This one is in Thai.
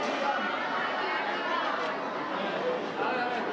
สวัสดีครับ